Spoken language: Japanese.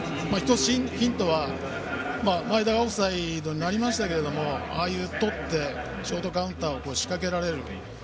１つヒントは前田がオフサイドになりましたがとってショートカウンターを仕掛けられる。